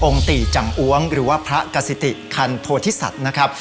ติจังอ้วงหรือว่าพระกษิติคันโพธิสัตว์นะครับ